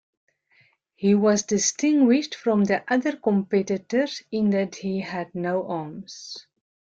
He was distinguished from the other competitors in that he had no arms.